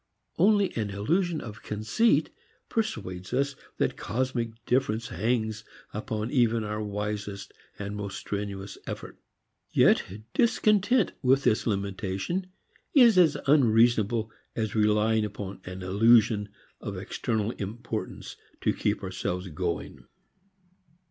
Only an illusion of conceit persuades us that cosmic difference hangs upon even our wisest and most strenuous effort. Yet discontent with this limitation is as unreasonable as relying upon an illusion of external importance to keep ourselves going.